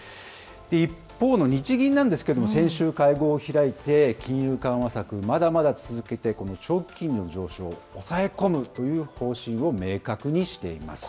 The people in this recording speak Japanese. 一方の日銀なんですけれども、先週、会合を開いて、金融緩和策、まだまだ続けて、長期金利の上昇を抑え込むという方針を明確にしています。